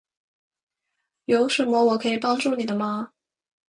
有什么我可以帮助你的吗？